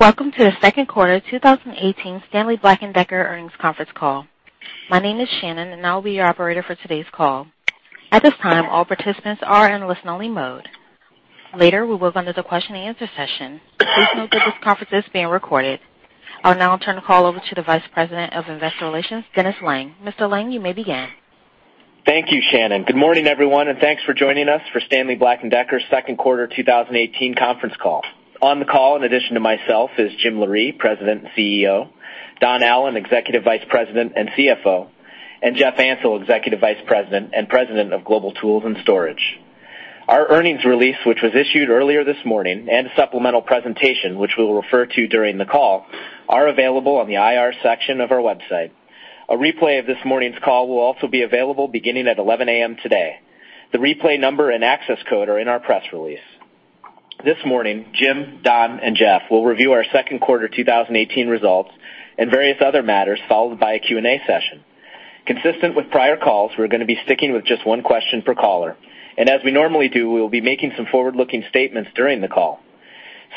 Welcome to the second quarter 2018 Stanley Black & Decker earnings conference call. My name is Shannon, and I'll be your operator for today's call. At this time, all participants are in listen-only mode. Later, we will go into the question and answer session. Please note that this conference is being recorded. I'll now turn the call over to the Vice President of Investor Relations, Dennis Lange. Mr. Lange, you may begin. Thank you, Shannon. Good morning, everyone, and thanks for joining us for Stanley Black & Decker's second quarter 2018 conference call. On the call, in addition to myself, is Jim Loree, President and CEO, Don Allan, Executive Vice President and CFO, and Jeff Ansell, Executive Vice President and President of Global Tools & Storage. Our earnings release, which was issued earlier this morning, and supplemental presentation, which we'll refer to during the call, are available on the IR section of our website. A replay of this morning's call will also be available beginning at 11:00 A.M. today. The replay number and access code are in our press release. This morning, Jim, Don, and Jeff will review our second quarter 2018 results and various other matters, followed by a Q&A session. Consistent with prior calls, we're going to be sticking with just one question per caller. As we normally do, we will be making some forward-looking statements during the call.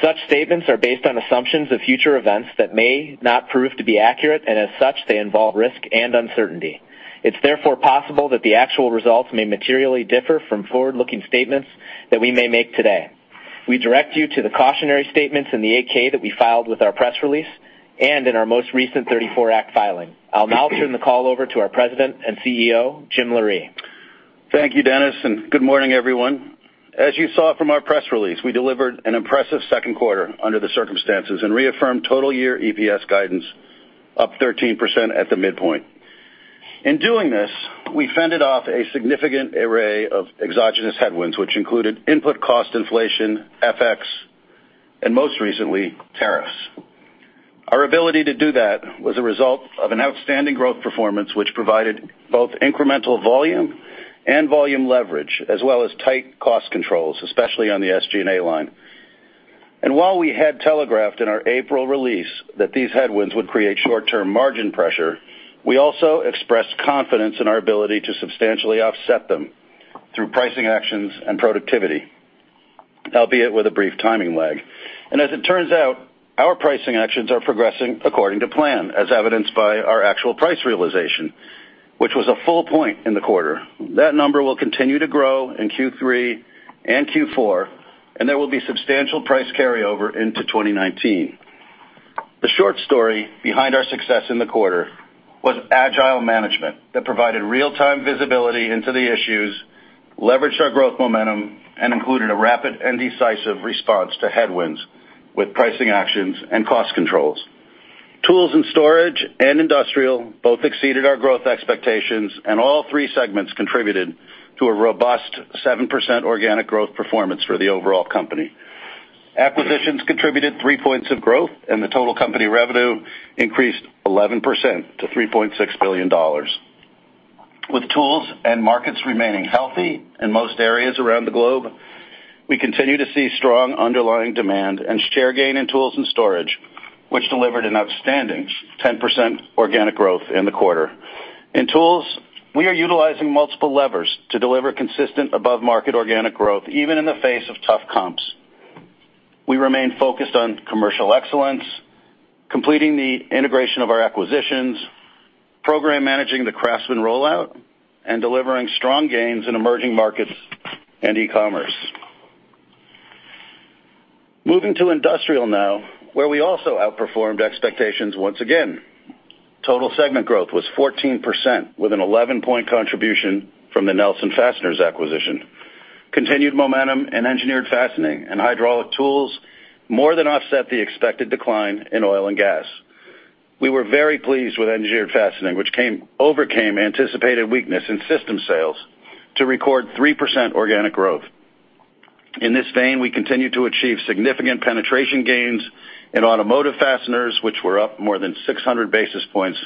Such statements are based on assumptions of future events that may not prove to be accurate, as such, they involve risk and uncertainty. It's therefore possible that the actual results may materially differ from forward-looking statements that we may make today. We direct you to the cautionary statements in the 8-K that we filed with our press release and in our most recent 34 Act filing. I'll now turn the call over to our President and CEO, Jim Loree. Thank you, Dennis. Good morning, everyone. As you saw from our press release, we delivered an impressive second quarter under the circumstances and reaffirmed total year EPS guidance up 13% at the midpoint. In doing this, we fended off a significant array of exogenous headwinds, which included input cost inflation, FX, and most recently, tariffs. Our ability to do that was a result of an outstanding growth performance, which provided both incremental volume and volume leverage, as well as tight cost controls, especially on the SG&A line. While we had telegraphed in our April release that these headwinds would create short-term margin pressure, we also expressed confidence in our ability to substantially offset them through pricing actions and productivity, albeit with a brief timing lag. As it turns out, our pricing actions are progressing according to plan, as evidenced by our actual price realization, which was a full point in the quarter. That number will continue to grow in Q3 and Q4, and there will be substantial price carryover into 2019. The short story behind our success in the quarter was agile management that provided real-time visibility into the issues, leveraged our growth momentum, and included a rapid and decisive response to headwinds with pricing actions and cost controls. Tools & Storage and Industrial both exceeded our growth expectations, and all three segments contributed to a robust 7% organic growth performance for the overall company. Acquisitions contributed three points of growth, and the total company revenue increased 11% to $3.6 billion. With tools and markets remaining healthy in most areas around the globe, we continue to see strong underlying demand and share gain in Tools & Storage, which delivered an outstanding 10% organic growth in the quarter. In tools, we are utilizing multiple levers to deliver consistent above-market organic growth, even in the face of tough comps. We remain focused on commercial excellence, completing the integration of our acquisitions, program managing the CRAFTSMAN rollout, and delivering strong gains in emerging markets and e-commerce. Moving to Industrial now, where we also outperformed expectations once again. Total segment growth was 14%, with an 11-point contribution from the Nelson Fasteners acquisition. Continued momentum in Engineered Fastening and hydraulic tools more than offset the expected decline in oil and gas. We were very pleased with Engineered Fastening, which overcame anticipated weakness in system sales to record 3% organic growth. In this vein, we continue to achieve significant penetration gains in automotive fasteners, which were up more than 600 basis points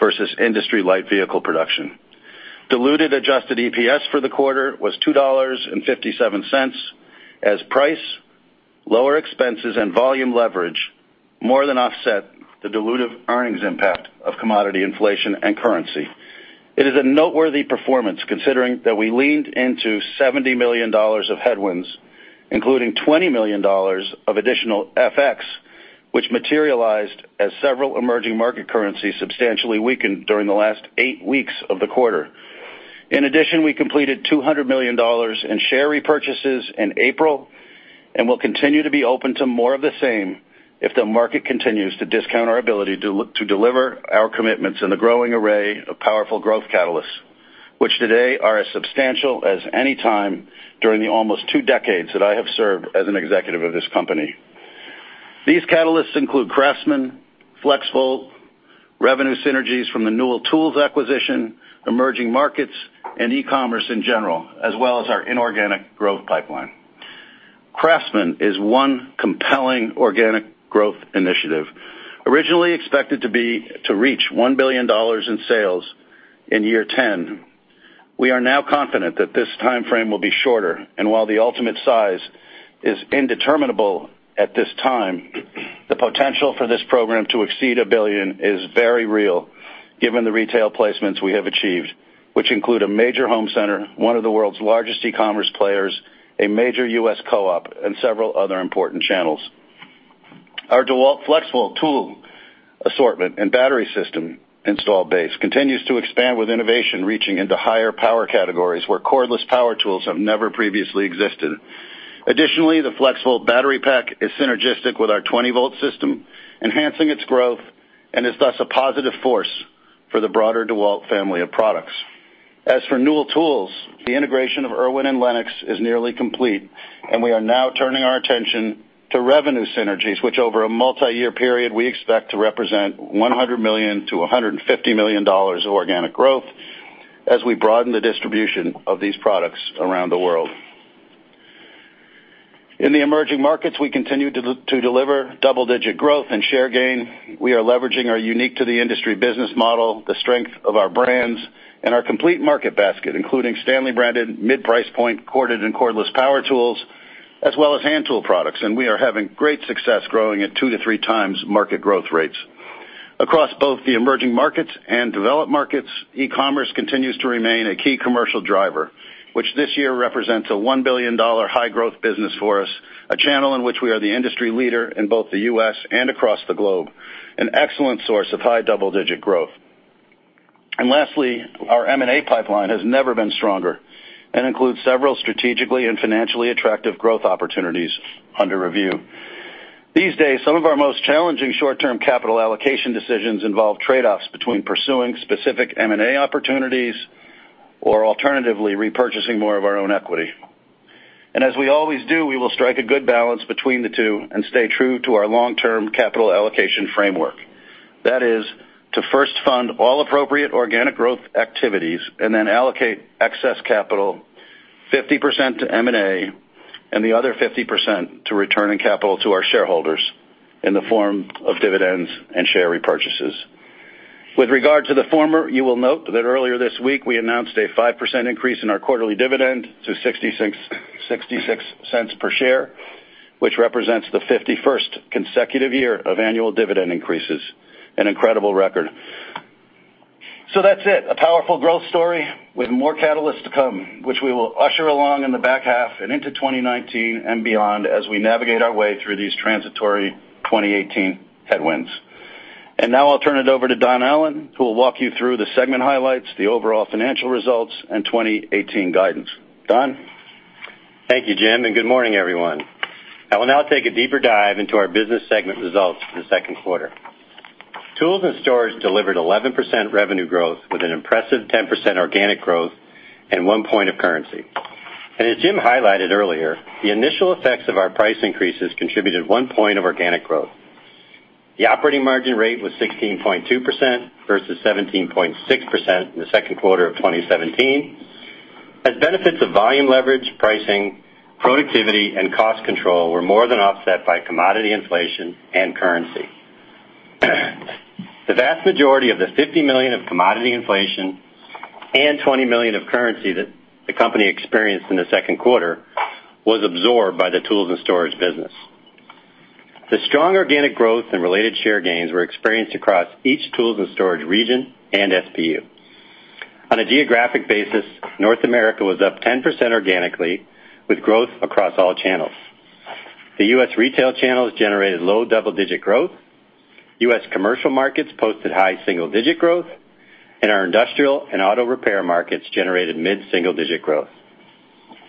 versus industry light vehicle production. Diluted adjusted EPS for the quarter was $2.57, as price, lower expenses, and volume leverage more than offset the dilutive earnings impact of commodity inflation and currency. It is a noteworthy performance considering that we leaned into $70 million of headwinds, including $20 million of additional FX, which materialized as several emerging market currencies substantially weakened during the last eight weeks of the quarter. In addition, we completed $200 million in share repurchases in April and will continue to be open to more of the same if the market continues to discount our ability to deliver our commitments in the growing array of powerful growth catalysts, which today are as substantial as any time during the almost two decades that I have served as an executive of this company. These catalysts include CRAFTSMAN, FLEXVOLT, revenue synergies from the Newell Tools acquisition, emerging markets, and e-commerce in general, as well as our inorganic growth pipeline. CRAFTSMAN is one compelling organic growth initiative. Originally expected to reach $1 billion in sales in year 10, while the ultimate size is indeterminable at this time, the potential for this program to exceed $1 billion is very real given the retail placements we have achieved, which include a major home center, one of the world's largest e-commerce players, a major U.S. co-op, and several other important channels. Our DEWALT FLEXVOLT tool assortment and battery system install base continues to expand with innovation reaching into higher power categories where cordless power tools have never previously existed. Additionally, the FLEXVOLT battery pack is synergistic with our 20-volt system, enhancing its growth, is thus a positive force for the broader DEWALT family of products. As for Newell Tools, the integration of IRWIN and LENOX is nearly complete, we are now turning our attention to revenue synergies, which over a multi-year period, we expect to represent $100 million-$150 million of organic growth as we broaden the distribution of these products around the world. In the emerging markets, we continue to deliver double-digit growth and share gain. We are leveraging our unique-to-the-industry business model, the strength of our brands, and our complete market basket, including STANLEY-branded mid-price point corded and cordless power tools, as well as hand tool products. We are having great success growing at two to three times market growth rates. Across both the emerging markets and developed markets, e-commerce continues to remain a key commercial driver, which this year represents a $1 billion high-growth business for us, a channel in which we are the industry leader in both the U.S. and across the globe, an excellent source of high double-digit growth. Lastly, our M&A pipeline has never been stronger and includes several strategically and financially attractive growth opportunities under review. These days, some of our most challenging short-term capital allocation decisions involve trade-offs between pursuing specific M&A opportunities or alternatively repurchasing more of our own equity. As we always do, we will strike a good balance between the two and stay true to our long-term capital allocation framework. That is to first fund all appropriate organic growth activities and then allocate excess capital 50% to M&A and the other 50% to returning capital to our shareholders in the form of dividends and share repurchases. With regard to the former, you will note that earlier this week we announced a 5% increase in our quarterly dividend to $0.66 per share, which represents the 51st consecutive year of annual dividend increases, an incredible record. That's it, a powerful growth story with more catalysts to come, which we will usher along in the back half and into 2019 and beyond as we navigate our way through these transitory 2018 headwinds. Now I'll turn it over to Don Allan, who will walk you through the segment highlights, the overall financial results, and 2018 guidance. Don? Thank you, Jim, and good morning, everyone. I will now take a deeper dive into our business segment results for the second quarter. Tools and storage delivered 11% revenue growth with an impressive 10% organic growth and one point of currency. As Jim highlighted earlier, the initial effects of our price increases contributed one point of organic growth. The operating margin rate was 16.2% versus 17.6% in the second quarter of 2017, as benefits of volume leverage, pricing, productivity, and cost control were more than offset by commodity inflation and currency. The vast majority of the $50 million of commodity inflation and $20 million of currency that the company experienced in the second quarter was absorbed by the tools and storage business. The strong organic growth and related share gains were experienced across each tools and storage region and SBU. On a geographic basis, North America was up 10% organically, with growth across all channels. The U.S. retail channels generated low double-digit growth, U.S. commercial markets posted high single-digit growth, and our industrial and auto repair markets generated mid-single-digit growth.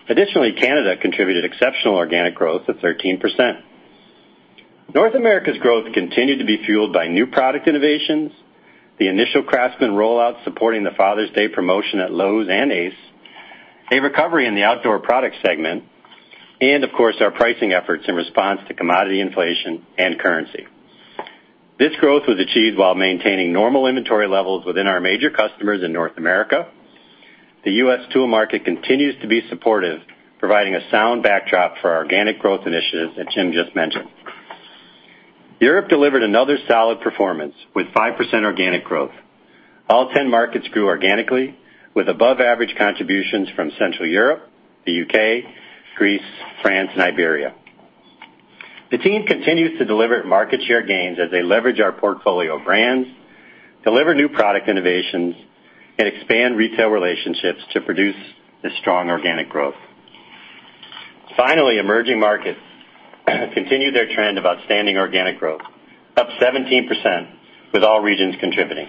Additionally, Canada contributed exceptional organic growth of 13%. North America's growth continued to be fueled by new product innovations, the initial CRAFTSMAN rollout supporting the Father's Day promotion at Lowe's and Ace, a recovery in the outdoor product segment, and of course, our pricing efforts in response to commodity inflation and currency. This growth was achieved while maintaining normal inventory levels within our major customers in North America. The U.S. tool market continues to be supportive, providing a sound backdrop for our organic growth initiatives that Jim just mentioned. Europe delivered another solid performance with 5% organic growth. All 10 markets grew organically, with above-average contributions from Central Europe, the U.K., Greece, France, and Iberia. The team continues to deliver market share gains as they leverage our portfolio of brands, deliver new product innovations, and expand retail relationships to produce this strong organic growth. Finally, emerging markets continued their trend of outstanding organic growth, up 17%, with all regions contributing.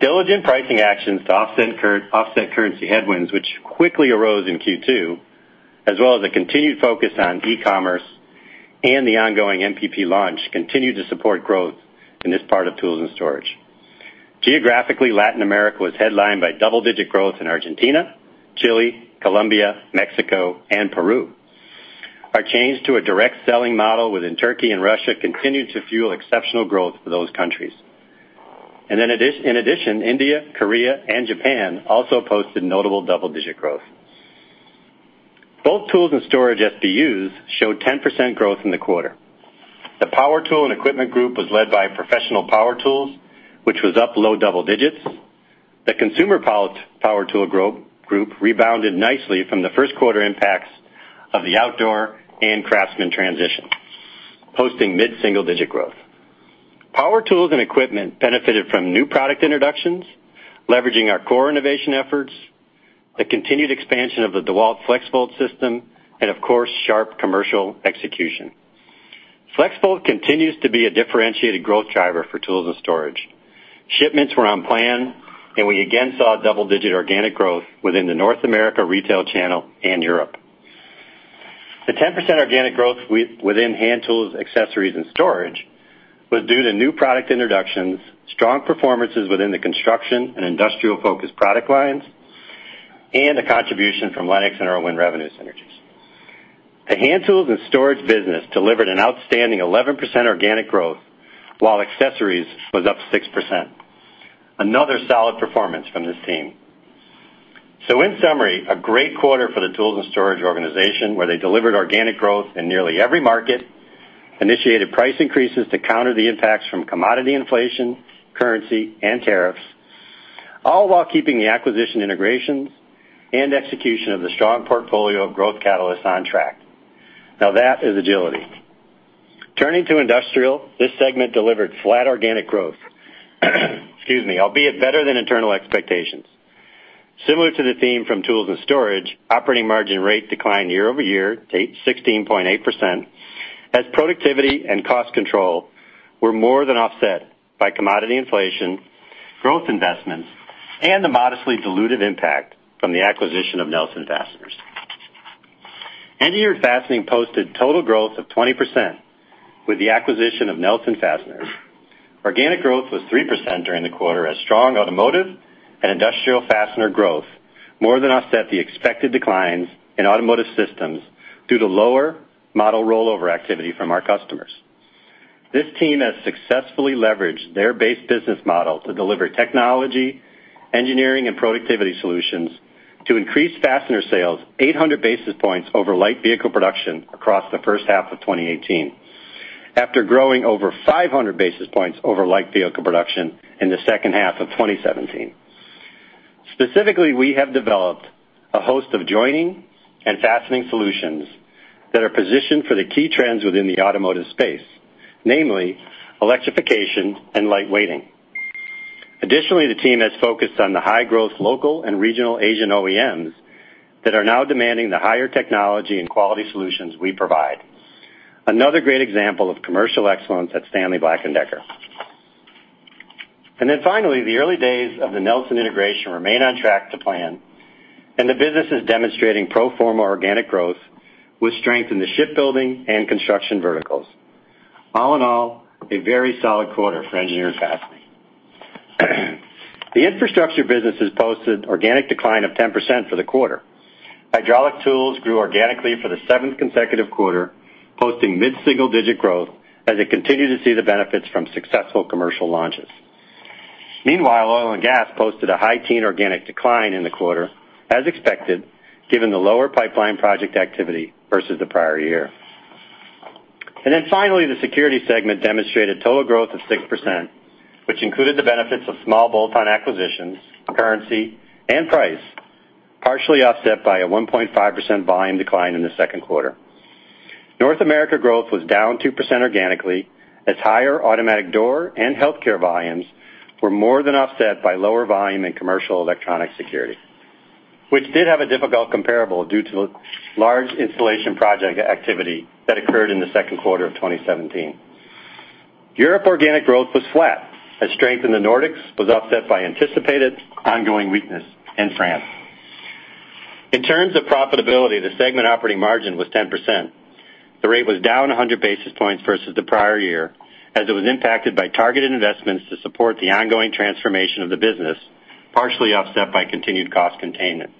Diligent pricing actions to offset currency headwinds, which quickly arose in Q2, as well as a continued focus on e-commerce and the ongoing MPP launch continued to support growth in this part of tools and storage. Geographically, Latin America was headlined by double-digit growth in Argentina, Chile, Colombia, Mexico, and Peru. Our change to a direct selling model within Turkey and Russia continued to fuel exceptional growth for those countries. In addition, India, Korea, and Japan also posted notable double-digit growth. Both tools and storage SBUs showed 10% growth in the quarter. The power tool and equipment group was led by professional power tools, which was up low double digits. The consumer power tool group rebounded nicely from the first quarter impacts of the outdoor and CRAFTSMAN transition. Posting mid-single-digit growth. Power tools and equipment benefited from new product introductions, leveraging our core innovation efforts, the continued expansion of the DEWALT FLEXVOLT system, and of course, sharp commercial execution. FLEXVOLT continues to be a differentiated growth driver for tools and storage. Shipments were on plan, and we again saw double-digit organic growth within the North America retail channel and Europe. The 10% organic growth within hand tools, accessories, and storage was due to new product introductions, strong performances within the construction and industrial-focused product lines, and a contribution from LENOX and IRWIN revenue synergies. In summary, a great quarter for the tools and storage organization, where they delivered organic growth in nearly every market, initiated price increases to counter the impacts from commodity inflation, currency, and tariffs, all while keeping the acquisition integrations and execution of the strong portfolio of growth catalysts on track. That is agility. Turning to Industrial, this segment delivered flat organic growth, albeit better than internal expectations. Similar to the theme from tools and storage, operating margin rate declined year-over-year to 16.8%, as productivity and cost control were more than offset by commodity inflation, growth investments, and the modestly dilutive impact from the acquisition of Nelson Fasteners. Engineered Fastening posted total growth of 20%, with the acquisition of Nelson Fasteners. Organic growth was 3% during the quarter, as strong automotive and industrial fastener growth more than offset the expected declines in automotive systems due to lower model rollover activity from our customers. This team has successfully leveraged their base business model to deliver technology, engineering, and productivity solutions to increase fastener sales 800 basis points over light vehicle production across the first half of 2018, after growing over 500 basis points over light vehicle production in the second half of 2017. Specifically, we have developed a host of joining and fastening solutions that are positioned for the key trends within the automotive space, namely electrification and light weighting. Additionally, the team has focused on the high-growth local and regional Asian OEMs that are now demanding the higher technology and quality solutions we provide. Another great example of commercial excellence at Stanley Black & Decker. Finally, the early days of the Nelson integration remain on track to plan, and the business is demonstrating pro forma organic growth with strength in the shipbuilding and construction verticals. All in all, a very solid quarter for Engineered Fastening. The infrastructure businesses posted organic decline of 10% for the quarter. Hydraulic tools grew organically for the seventh consecutive quarter, posting mid-single-digit growth as it continued to see the benefits from successful commercial launches. Meanwhile, oil and gas posted a high teen organic decline in the quarter, as expected, given the lower pipeline project activity versus the prior year. Finally, the Security segment demonstrated total growth of 6%, which included the benefits of small bolt-on acquisitions, currency, and price, partially offset by a 1.5% volume decline in the second quarter. North America growth was down 2% organically, as higher automatic door and healthcare volumes were more than offset by lower volume in commercial electronic security, which did have a difficult comparable due to large installation project activity that occurred in the second quarter of 2017. Europe organic growth was flat, as strength in the Nordics was offset by anticipated ongoing weakness in France. In terms of profitability, the segment operating margin was 10%. The rate was down 100 basis points versus the prior year, as it was impacted by targeted investments to support the ongoing transformation of the business, partially offset by continued cost containment.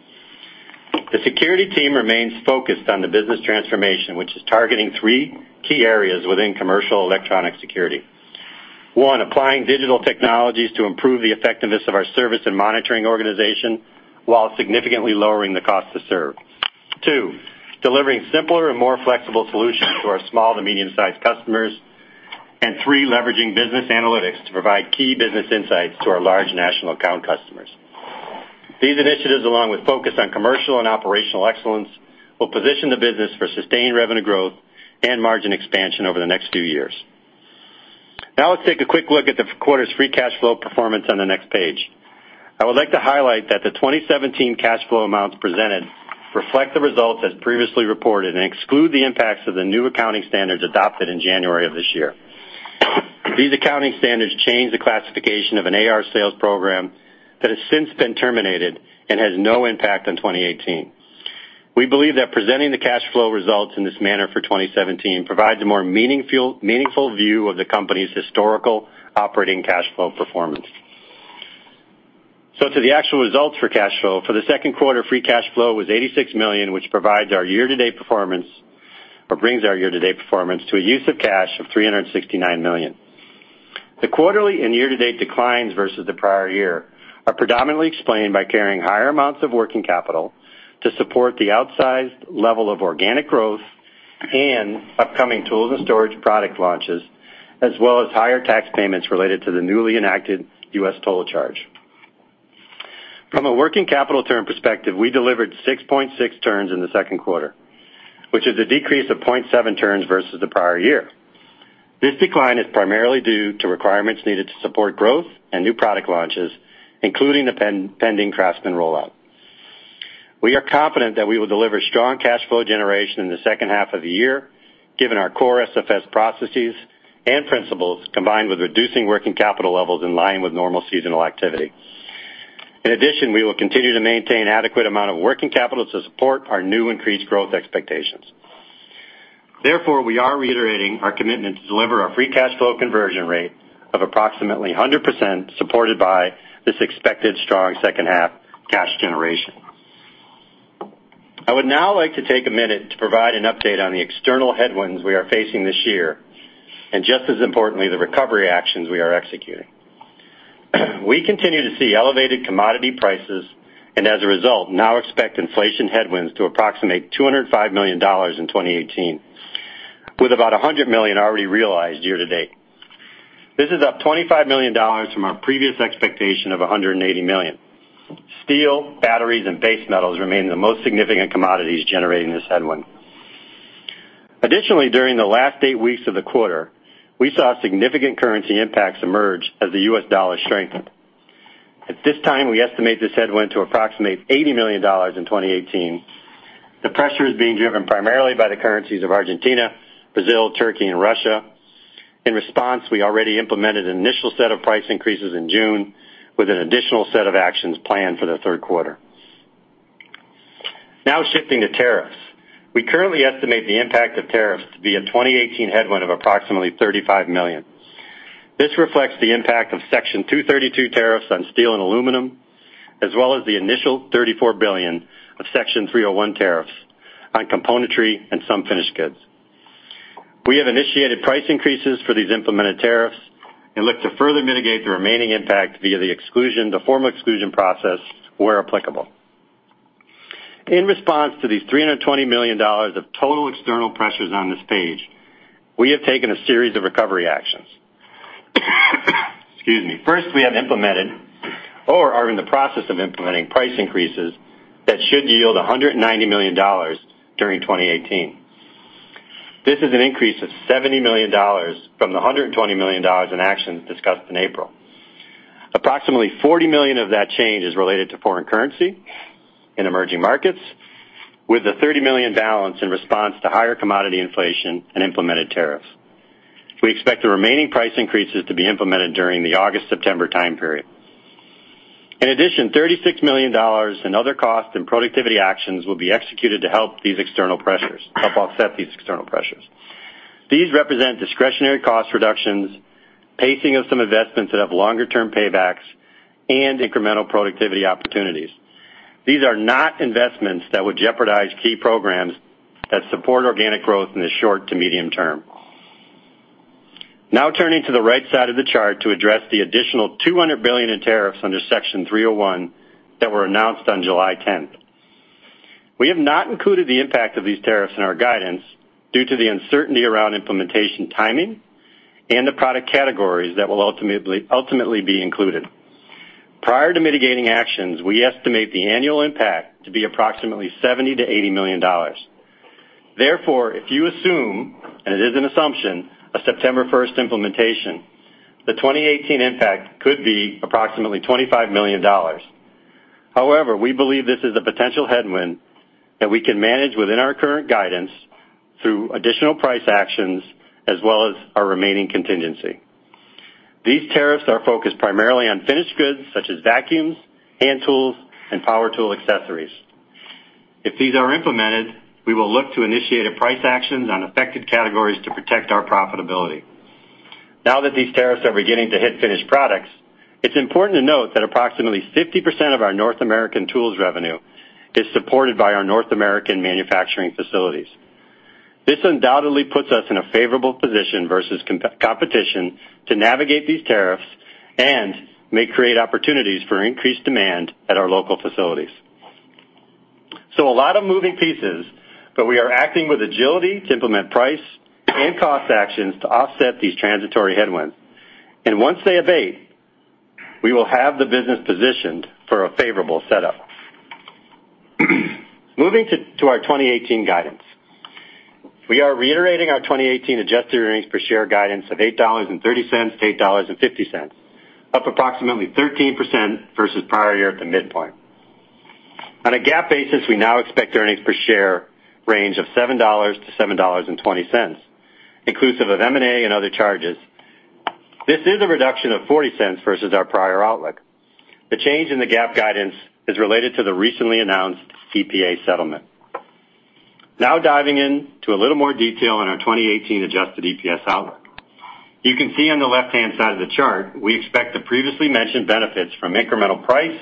The security team remains focused on the business transformation, which is targeting three key areas within commercial electronic security. One, applying digital technologies to improve the effectiveness of our service and monitoring organization while significantly lowering the cost to serve. Two, delivering simpler and more flexible solutions to our small to medium-sized customers. Three, leveraging business analytics to provide key business insights to our large national account customers. These initiatives, along with focus on commercial and operational excellence, will position the business for sustained revenue growth and margin expansion over the next few years. Let's take a quick look at the quarter's free cash flow performance on the next page. I would like to highlight that the 2017 cash flow amounts presented reflect the results as previously reported and exclude the impacts of the new accounting standards adopted in January of this year. These accounting standards change the classification of an AR sales program that has since been terminated and has no impact on 2018. We believe that presenting the cash flow results in this manner for 2017 provides a more meaningful view of the company's historical operating cash flow performance. To the actual results for cash flow, for the second quarter, free cash flow was $86 million, which brings our year-to-date performance to a use of cash of $369 million. The quarterly and year-to-date declines versus the prior year are predominantly explained by carrying higher amounts of working capital to support the outsized level of organic growth and upcoming tools and storage product launches, as well as higher tax payments related to the newly enacted U.S. toll charge. From a working capital term perspective, we delivered 6.6 turns in the second quarter, which is a decrease of 0.7 turns versus the prior year. This decline is primarily due to requirements needed to support growth and new product launches, including the pending CRAFTSMAN rollout. We are confident that we will deliver strong cash flow generation in the second half of the year, given our core SFS processes and principles, combined with reducing working capital levels in line with normal seasonal activity. In addition, we will continue to maintain adequate amount of working capital to support our new increased growth expectations. Therefore, we are reiterating our commitment to deliver our free cash flow conversion rate of approximately 100%, supported by this expected strong second half cash generation. I would now like to take a minute to provide an update on the external headwinds we are facing this year and just as importantly, the recovery actions we are executing. We continue to see elevated commodity prices and as a result, now expect inflation headwinds to approximate $205 million in 2018, with about $100 million already realized year to date. This is up $25 million from our previous expectation of $180 million. Steel, batteries, and base metals remain the most significant commodities generating this headwind. Additionally, during the last eight weeks of the quarter, we saw significant currency impacts emerge as the U.S. dollar strengthened. At this time, we estimate this headwind to approximate $80 million in 2018. The pressure is being driven primarily by the currencies of Argentina, Brazil, Turkey, and Russia. In response, we already implemented an initial set of price increases in June, with an additional set of actions planned for the third quarter. Shifting to tariffs. We currently estimate the impact of tariffs to be a 2018 headwind of approximately $35 million. This reflects the impact of Section 232 tariffs on steel and aluminum, as well as the initial $34 billion of Section 301 tariffs on componentry and some finished goods. We have initiated price increases for these implemented tariffs and look to further mitigate the remaining impact via the formal exclusion process, where applicable. In response to these $320 million of total external pressures on this page, we have taken a series of recovery actions. Excuse me. First, we have implemented or are in the process of implementing price increases that should yield $190 million during 2018. This is an increase of $70 million from the $120 million in actions discussed in April. Approximately $40 million of that change is related to foreign currency in emerging markets, with the $30 million balance in response to higher commodity inflation and implemented tariffs. We expect the remaining price increases to be implemented during the August-September time period. In addition, $36 million in other cost and productivity actions will be executed to help offset these external pressures. These represent discretionary cost reductions, pacing of some investments that have longer-term paybacks, and incremental productivity opportunities. These are not investments that would jeopardize key programs that support organic growth in the short to medium term. Turning to the right side of the chart to address the additional $200 billion in tariffs under Section 301 that were announced on July 10th. We have not included the impact of these tariffs in our guidance due to the uncertainty around implementation timing and the product categories that will ultimately be included. Prior to mitigating actions, we estimate the annual impact to be approximately $70 million to $80 million. Therefore, if you assume, and it is an assumption, a September 1st implementation, the 2018 impact could be approximately $25 million. However, we believe this is a potential headwind that we can manage within our current guidance through additional price actions, as well as our remaining contingency. These tariffs are focused primarily on finished goods such as vacuums, hand tools, and power tool accessories. If these are implemented, we will look to initiate price actions on affected categories to protect our profitability. Now that these tariffs are beginning to hit finished products, it's important to note that approximately 50% of our North American tools revenue is supported by our North American manufacturing facilities. This undoubtedly puts us in a favorable position versus competition to navigate these tariffs and may create opportunities for increased demand at our local facilities. A lot of moving pieces, but we are acting with agility to implement price and cost actions to offset these transitory headwinds. Once they abate, we will have the business positioned for a favorable setup. Moving to our 2018 guidance. We are reiterating our 2018 adjusted earnings per share guidance of $8.30 to $8.50, up approximately 13% versus prior year at the midpoint. On a GAAP basis, we now expect earnings per share range of $7 to $7.20, inclusive of M&A and other charges. This is a reduction of $0.40 versus our prior outlook. The change in the GAAP guidance is related to the recently announced CPA settlement. Now diving in to a little more detail on our 2018 adjusted EPS outlook. You can see on the left-hand side of the chart, we expect the previously mentioned benefits from incremental price,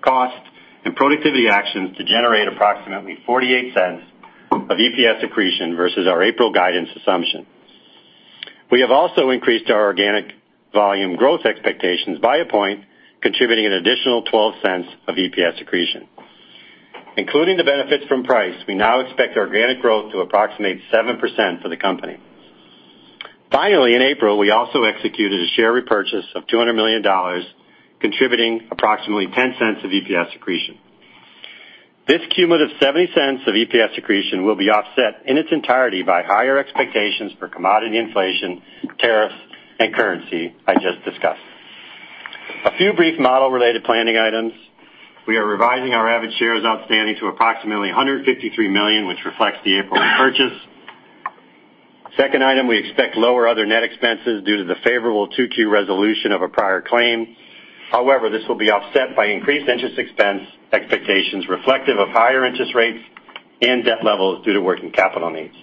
cost, and productivity actions to generate approximately $0.48 of EPS accretion versus our April guidance assumption. We have also increased our organic volume growth expectations by a point, contributing an additional $0.12 of EPS accretion. Including the benefits from price, we now expect organic growth to approximate 7% for the company. Finally, in April, we also executed a share repurchase of $200 million, contributing approximately $0.10 of EPS accretion. This cumulative $0.70 of EPS accretion will be offset in its entirety by higher expectations for commodity inflation, tariffs, and currency I just discussed. A few brief model-related planning items. We are revising our average shares outstanding to approximately 153 million, which reflects the April repurchase. Second item, we expect lower other net expenses due to the favorable 2Q resolution of a prior claim. This will be offset by increased interest expense expectations reflective of higher interest rates and debt levels due to working capital needs.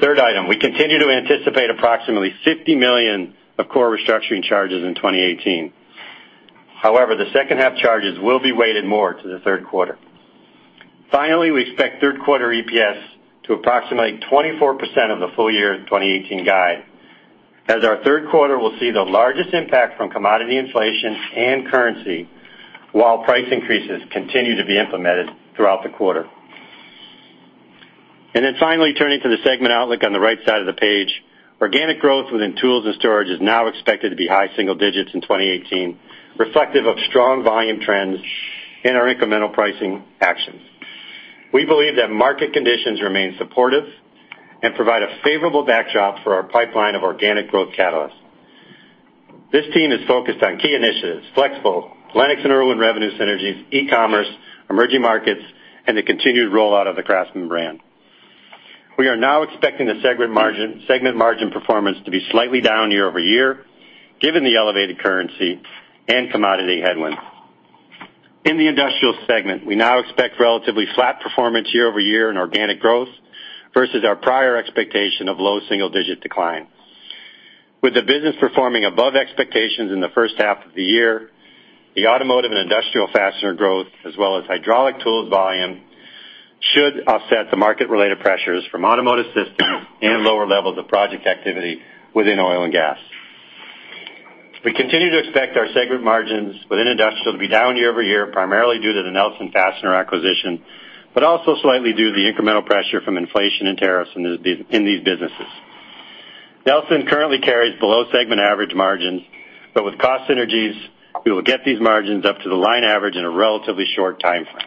Third item, we continue to anticipate approximately $50 million of core restructuring charges in 2018. The second-half charges will be weighted more to the third quarter. Finally, we expect third quarter EPS to approximately 24% of the full year 2018 guide, as our third quarter will see the largest impact from commodity inflation and currency, while price increases continue to be implemented throughout the quarter. Turning to the segment outlook on the right side of the page. Organic growth within Global Tools & Storage is now expected to be high single digits in 2018, reflective of strong volume trends in our incremental pricing actions. We believe that market conditions remain supportive and provide a favorable backdrop for our pipeline of organic growth catalysts. This team is focused on key initiatives, FLEXVOLT, LENOX and IRWIN revenue synergies, e-commerce, emerging markets, and the continued rollout of the CRAFTSMAN brand. We are now expecting the segment margin performance to be slightly down year-over-year, given the elevated currency and commodity headwinds. In the Industrial segment, we now expect relatively flat performance year-over-year in organic growth versus our prior expectation of low single-digit decline. With the business performing above expectations in the first half of the year, the automotive and industrial fastener growth, as well as hydraulic tools volume, should offset the market-related pressures from automotive systems and lower levels of project activity within oil and gas. We continue to expect our segment margins within Industrial to be down year-over-year, primarily due to the Nelson Fastener acquisition, but also slightly due to the incremental pressure from inflation and tariffs in these businesses. Nelson currently carries below-segment average margins, but with cost synergies, we will get these margins up to the line average in a relatively short timeframe.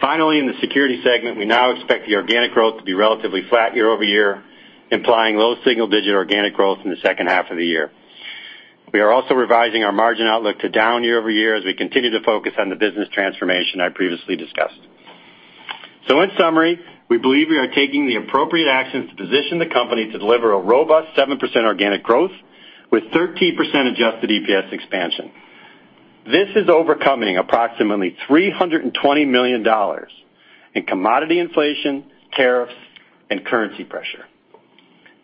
Finally, in the Security segment, we now expect the organic growth to be relatively flat year-over-year, implying low single-digit organic growth in the second half of the year. We are also revising our margin outlook to down year-over-year as we continue to focus on the business transformation I previously discussed. In summary, we believe we are taking the appropriate actions to position the company to deliver a robust 7% organic growth with 13% adjusted EPS expansion. This is overcoming approximately $320 million in commodity inflation, tariffs, and currency pressure.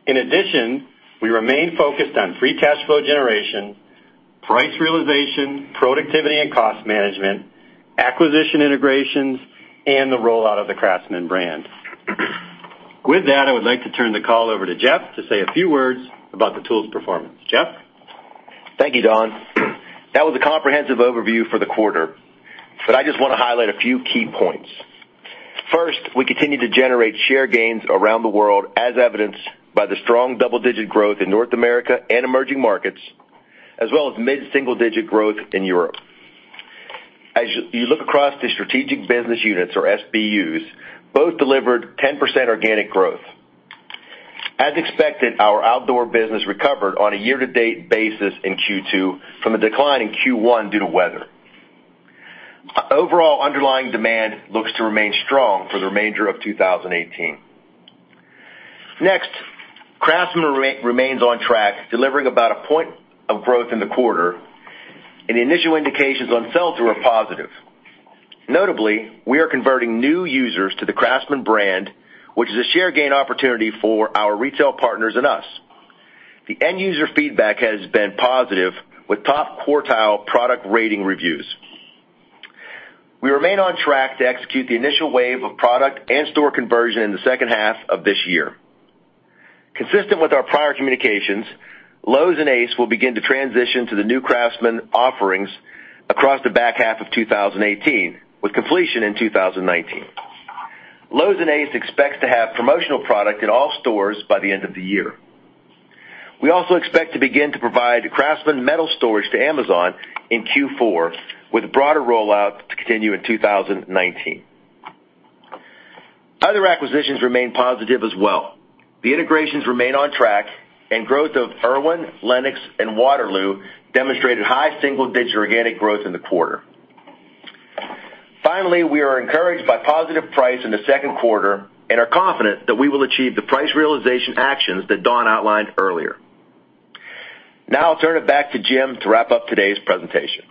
In addition, we remain focused on free cash flow generation, price realization, productivity and cost management, acquisition integrations, and the rollout of the CRAFTSMAN brand. With that, I would like to turn the call over to Jeff to say a few words about the tools performance. Jeff? Thank you, Don. That was a comprehensive overview for the quarter, but I just want to highlight a few key points. First, we continue to generate share gains around the world, as evidenced by the strong double-digit growth in North America and emerging markets, as well as mid-single-digit growth in Europe. As you look across the strategic business units, or SBUs, both delivered 10% organic growth. As expected, our outdoor business recovered on a year-to-date basis in Q2 from a decline in Q1 due to weather. Overall underlying demand looks to remain strong for the remainder of 2018. Next, CRAFTSMAN remains on track, delivering about a point of growth in the quarter, and initial indications on sales are positive. Notably, we are converting new users to the CRAFTSMAN brand, which is a share gain opportunity for our retail partners and us. The end-user feedback has been positive, with top-quartile product rating reviews. We remain on track to execute the initial wave of product and store conversion in the second half of this year. Consistent with our prior communications, Lowe's and Ace will begin to transition to the new CRAFTSMAN offerings across the back half of 2018, with completion in 2019. Lowe's and Ace expect to have promotional product in all stores by the end of the year. We also expect to begin to provide CRAFTSMAN metal storage to Amazon in Q4, with broader rollout to continue in 2019. Other acquisitions remain positive as well. The integrations remain on track, and growth of IRWIN, LENOX, and Waterloo demonstrated high single-digit organic growth in the quarter. Finally, we are encouraged by positive price in the second quarter and are confident that we will achieve the price realization actions that Don outlined earlier. I'll turn it back to Jim to wrap up today's presentation.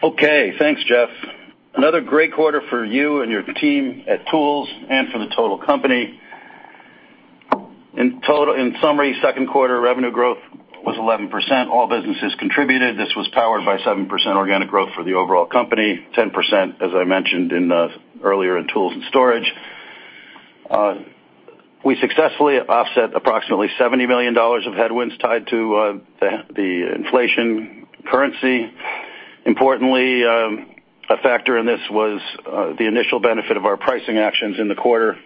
Okay. Thanks, Jeff Ansell. Another great quarter for you and your team at tools and for the total company. In summary, second quarter revenue growth was 11%. All businesses contributed. This was powered by 7% organic growth for the overall company, 10%, as I mentioned earlier, in tools and storage. We successfully offset approximately $70 million of headwinds tied to the inflation currency. Importantly, a factor in this was the initial benefit of our pricing actions in the quarter.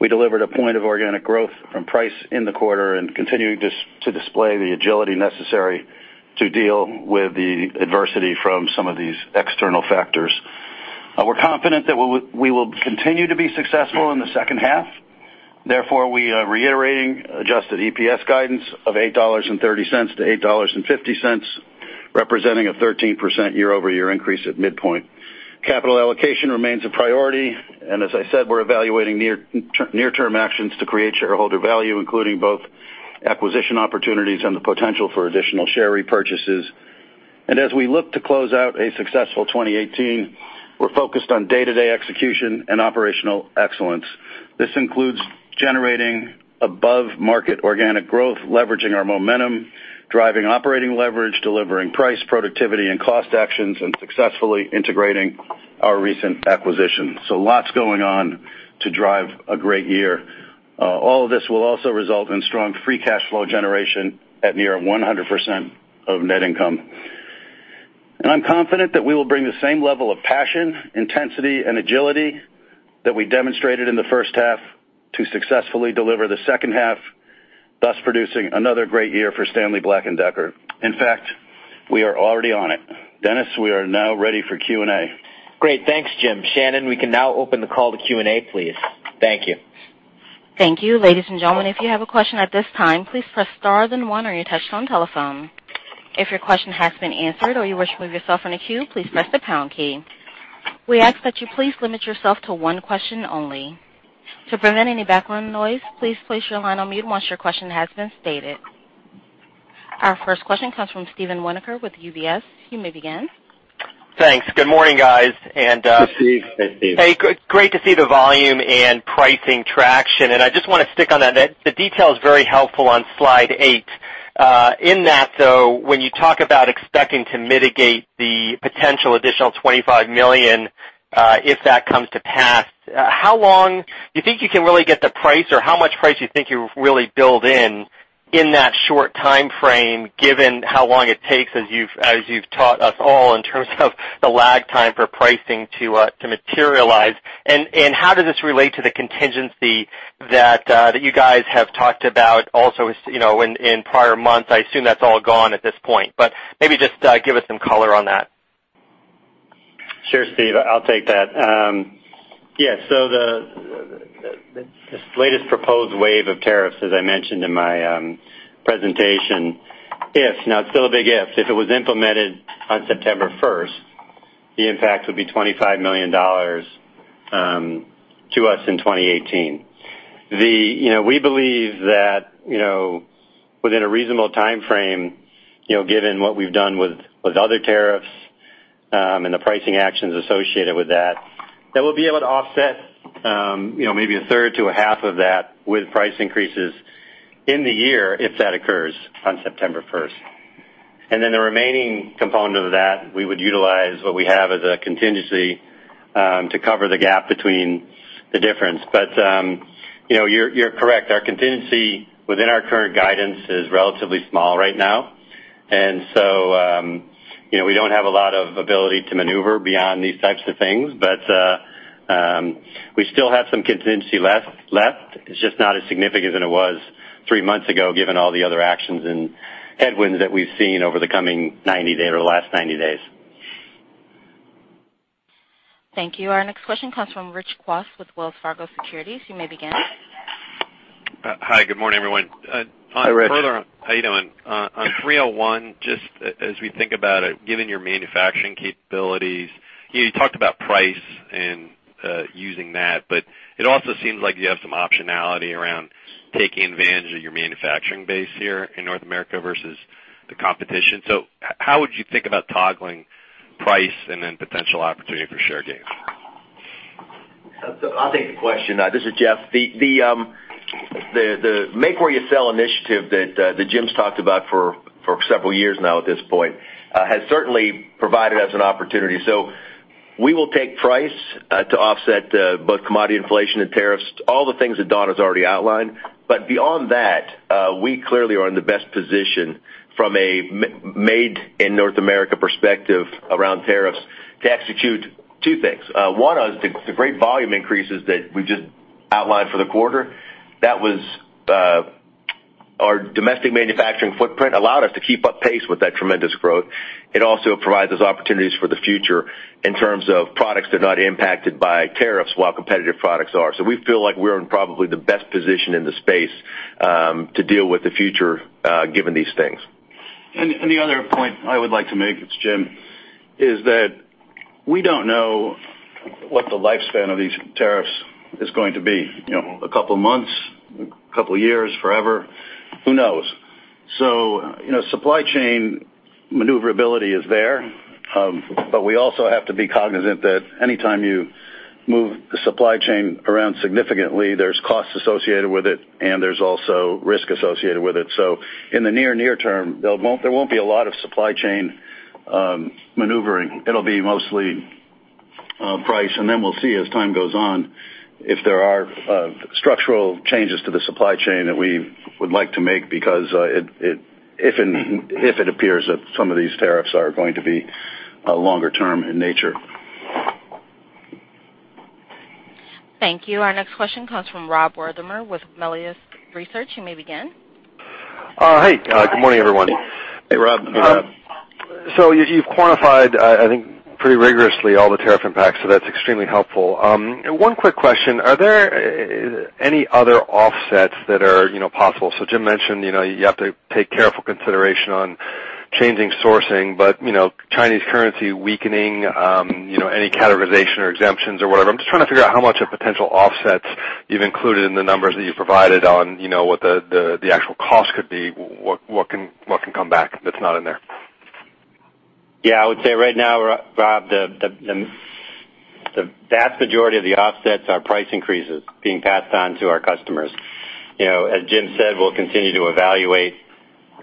We delivered a point of organic growth from price in the quarter and continuing to display the agility necessary to deal with the adversity from some of these external factors. We're confident that we will continue to be successful in the second half. Therefore, we are reiterating adjusted EPS guidance of $8.30 to $8.50, representing a 13% year-over-year increase at midpoint. Capital allocation remains a priority, and as I said, we're evaluating near-term actions to create shareholder value, including both acquisition opportunities and the potential for additional share repurchases. As we look to close out a successful 2018, we're focused on day-to-day execution and operational excellence. This includes generating above-market organic growth, leveraging our momentum, driving operating leverage, delivering price productivity and cost actions, and successfully integrating our recent acquisitions. Lots going on to drive a great year. All of this will also result in strong free cash flow generation at near 100% of net income. I'm confident that we will bring the same level of passion, intensity, and agility that we demonstrated in the first half to successfully deliver the second half, thus producing another great year for Stanley Black & Decker. In fact, we are already on it. Dennis Lange, we are now ready for Q&A. Great. Thanks, Jim Loree. Shannon, we can now open the call to Q&A, please. Thank you. Thank you. Ladies and gentlemen, if you have a question at this time, please press star then one on your touchtone telephone. If your question has been answered or you wish to remove yourself from the queue, please press the pound key. We ask that you please limit yourself to one question only. To prevent any background noise, please place your line on mute once your question has been stated. Our first question comes from Steven Winoker with UBS. You may begin. Thanks. Good morning, guys. Steve, hey. Steven. Hey, great to see the volume and pricing traction. I just want to stick on that. The detail is very helpful on slide eight. In that, though, when you talk about expecting to mitigate the potential additional $25 million, if that comes to pass, do you think you can really get the price or how much price you think you really build in in that short timeframe, given how long it takes as you've taught us all in terms of the lag time for pricing to materialize? How does this relate to the contingency that you guys have talked about also in prior months? I assume that's all gone at this point, but maybe just give us some color on that. Sure, Steve, I'll take that. The latest proposed wave of tariffs, as I mentioned in my presentation, if, now it's still a big if it was implemented on September 1st, the impact would be $25 million to us in 2018. We believe that within a reasonable timeframe, given what we've done with other tariffs, and the pricing actions associated with that we'll be able to offset maybe a third to a half of that with price increases in the year if that occurs on September 1st. The remaining component of that, we would utilize what we have as a contingency to cover the gap between the difference. You're correct. Our contingency within our current guidance is relatively small right now. We don't have a lot of ability to maneuver beyond these types of things. We still have some contingency left. It's just not as significant as it was three months ago, given all the other actions and headwinds that we've seen over the coming 90-day or last 90 days. Thank you. Our next question comes from Rich Kwas with Wells Fargo Securities. You may begin. Hi. Good morning, everyone. Hi, Rich. How you doing? On 301, just as we think about it, given your manufacturing capabilities, you talked about price and using that, it also seems like you have some optionality around taking advantage of your manufacturing base here in North America versus the competition. How would you think about toggling price and then potential opportunity for share gains? I'll take the question. This is Jeff. The make where you sell initiative that Jim's talked about for several years now at this point, has certainly provided us an opportunity. We will take price to offset both commodity inflation and tariffs, all the things that Don has already outlined. Beyond that, we clearly are in the best position from a made in North America perspective around tariffs to execute two things. One is the great volume increases that we just outlined for the quarter. Our domestic manufacturing footprint allowed us to keep up pace with that tremendous growth. It also provides us opportunities for the future in terms of products that are not impacted by tariffs while competitive products are. We feel like we're in probably the best position in the space to deal with the future given these things. The other point I would like to make, it's Jim, is that we don't know what the lifespan of these tariffs is going to be. A couple of months, couple of years, forever, who knows? Supply chain maneuverability is there, we also have to be cognizant that anytime you move the supply chain around significantly, there's costs associated with it, and there's also risk associated with it. In the near term, there won't be a lot of supply chain maneuvering. It'll be mostly price, then we'll see as time goes on if there are structural changes to the supply chain that we would like to make because if it appears that some of these tariffs are going to be longer term in nature. Thank you. Our next question comes from Rob Wertheimer with Melius Research. You may begin. Hi. Good morning, everyone. Hey, Rob. You've quantified, I think, pretty rigorously all the tariff impacts, so that's extremely helpful. One quick question, are there any other offsets that are possible? Jim mentioned you have to take careful consideration on changing sourcing, but Chinese currency weakening, any categorization or exemptions or whatever. I'm just trying to figure out how much of potential offsets you've included in the numbers that you've provided on what the actual cost could be. What can come back that's not in there? I would say right now, Rob, the vast majority of the offsets are price increases being passed on to our customers. As Jim said, we'll continue to evaluate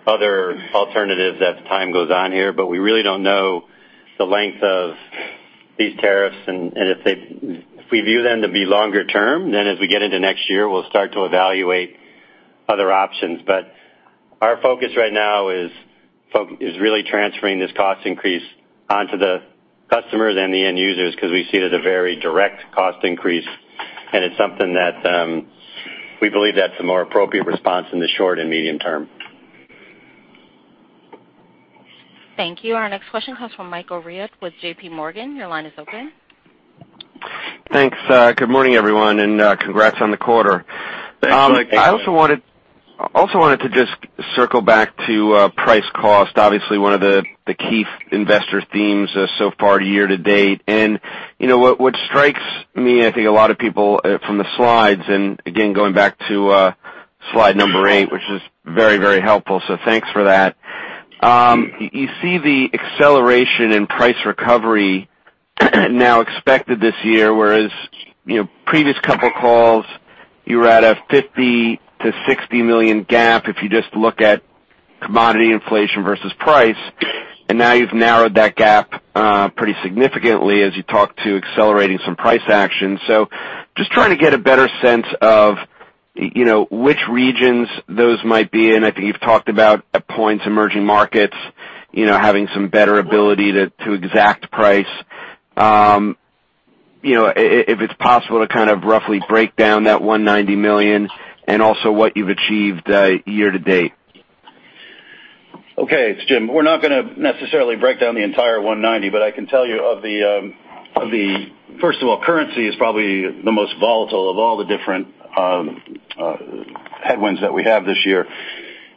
other alternatives as time goes on here, but we really don't know the length of these tariffs. If we view them to be longer term, then as we get into next year, we'll start to evaluate other options. Our focus right now is really transferring this cost increase onto the customers and the end users because we see it as a very direct cost increase, and it's something that we believe that's a more appropriate response in the short and medium term. Thank you. Our next question comes from Michael Rehaut with J.P. Morgan. Your line is open. Thanks. Good morning, everyone, congrats on the quarter. Thanks, Mike. I also wanted to just circle back to price cost. Obviously, one of the key investor themes so far year to date. What strikes me and I think a lot of people from the slides, again, going back to slide number eight, which is very helpful, thanks for that. You see the acceleration in price recovery now expected this year, whereas previous couple of calls, you were at a $50 million-$60 million gap if you just look at commodity inflation versus price. Now you've narrowed that gap pretty significantly as you talk to accelerating some price action. Just trying to get a better sense of which regions those might be in. I think you've talked about at points, emerging markets having some better ability to exact price. If it's possible to kind of roughly break down that $190 million and also what you've achieved year to date. Okay. It's Jim. We're not going to necessarily break down the entire $190, I can tell you first of all, currency is probably the most volatile of all the different headwinds that we have this year.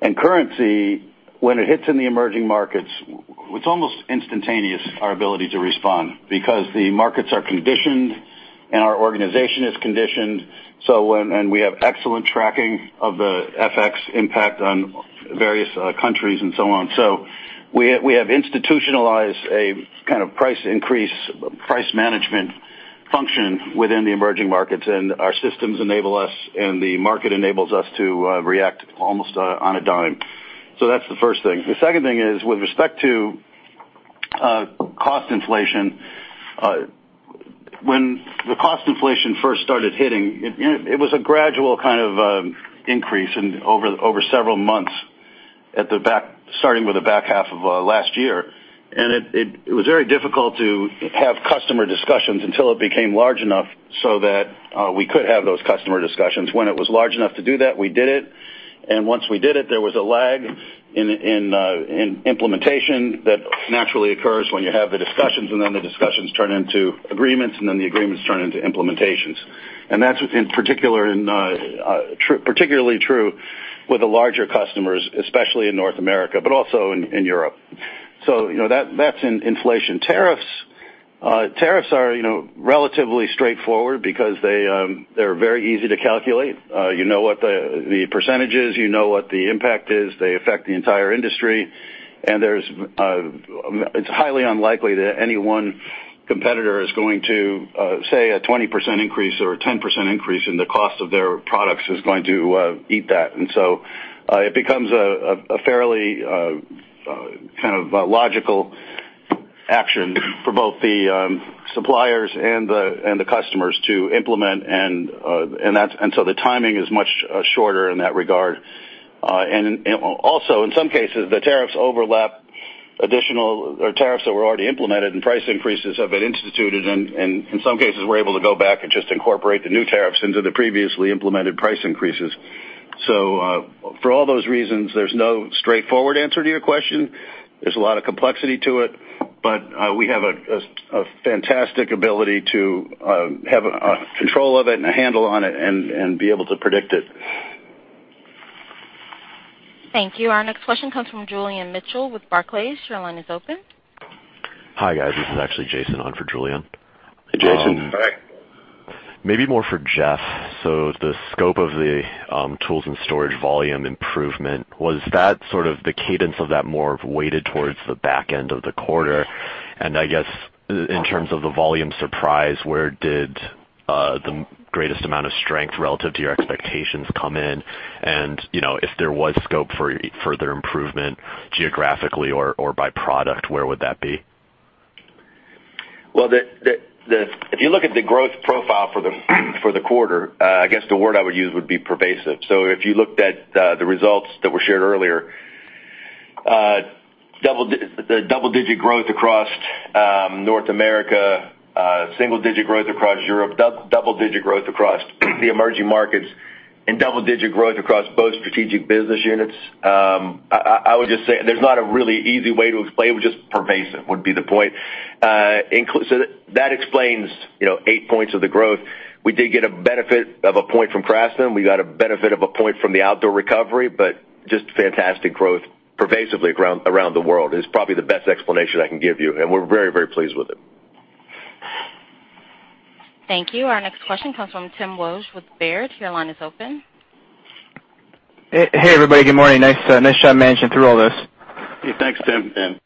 Currency, when it hits in the emerging markets, it's almost instantaneous our ability to respond because the markets are conditioned and our organization is conditioned. We have excellent tracking of the FX impact on various countries and so on. We have institutionalized a kind of price increase, price management function within the emerging markets, and our systems enable us, and the market enables us to react almost on a dime. That's the first thing. The second thing is with respect to cost inflation. When the cost inflation first started hitting, it was a gradual kind of increase over several months starting with the back half of last year. It was very difficult to have customer discussions until it became large enough so that we could have those customer discussions. When it was large enough to do that, we did it, and once we did it, there was a lag in implementation that naturally occurs when you have the discussions, and then the discussions turn into agreements, and then the agreements turn into implementations. That's particularly true with the larger customers, especially in North America, but also in Europe. That's in inflation. Tariffs are relatively straightforward because they're very easy to calculate. You know what the percentage is, you know what the impact is. They affect the entire industry. It's highly unlikely that any one competitor is going to say a 20% increase or a 10% increase in the cost of their products is going to eat that. It becomes a fairly kind of logical action for both the suppliers and the customers to implement. The timing is much shorter in that regard. In some cases, the tariffs overlap additional tariffs that were already implemented and price increases have been instituted. In some cases, we're able to go back and just incorporate the new tariffs into the previously implemented price increases. For all those reasons, there's no straightforward answer to your question. There's a lot of complexity to it, but we have a fantastic ability to have control of it and a handle on it and be able to predict it. Thank you. Our next question comes from Julian Mitchell with Barclays. Your line is open. Hi, guys. This is actually Jason on for Julian. Hi, Jason. Hi. Maybe more for Jeff. The scope of the Tools and Storage volume improvement, was that sort of the cadence of that more weighted towards the back end of the quarter? I guess in terms of the volume surprise, where did the greatest amount of strength relative to your expectations come in, and if there was scope for further improvement geographically or by product, where would that be? Well, if you look at the growth profile for the quarter, I guess the word I would use would be pervasive. If you looked at the results that were shared earlier, the double-digit growth across North America, single-digit growth across Europe, double-digit growth across the emerging markets, double-digit growth across both strategic business units. I would just say there's not a really easy way to explain, but just pervasive would be the point. That explains eight points of the growth. We did get a benefit of a point from CRAFTSMAN. We got a benefit of a point from the outdoor recovery, but just fantastic growth pervasively around the world is probably the best explanation I can give you, and we're very pleased with it. Thank you. Our next question comes from Timothy Wojs with Baird. Your line is open. Hey, everybody. Good morning. Nice job managing through all this. Thanks, Tim.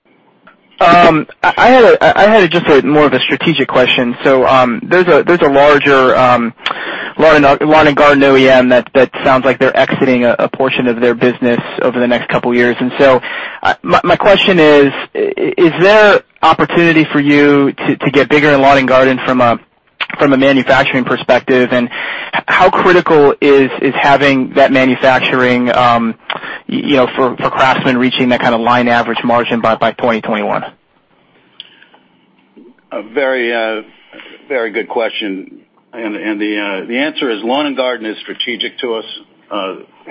I had just more of a strategic question. There's a larger lawn and garden OEM that sounds like they're exiting a portion of their business over the next couple of years. My question is there opportunity for you to get bigger in lawn and garden from a manufacturing perspective, and how critical is having that manufacturing for CRAFTSMAN reaching that kind of line average margin by 2021? A very good question, the answer is lawn and garden is strategic to us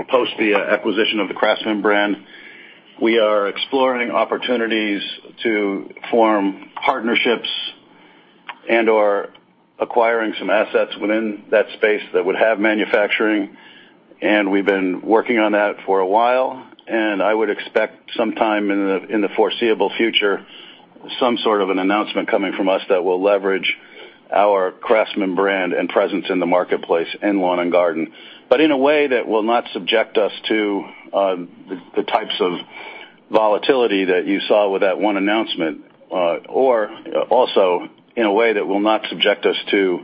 post the acquisition of the CRAFTSMAN brand. We are exploring opportunities to form partnerships and/or acquiring some assets within that space that would have manufacturing, and we've been working on that for a while, and I would expect sometime in the foreseeable future, some sort of an announcement coming from us that will leverage our CRAFTSMAN brand and presence in the marketplace in lawn and garden. In a way that will not subject us to the types of volatility that you saw with that one announcement, or also in a way that will not subject us to